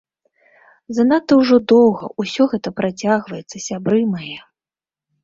Занадта ўжо доўга ўсё гэта працягваецца, сябры мае.